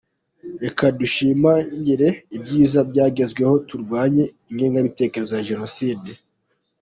Reka dushimangire ibyiza byagezweho turwanye ingengabitekerezo ya jenoside.